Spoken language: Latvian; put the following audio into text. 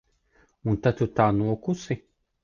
Un tad tu tā nokusi?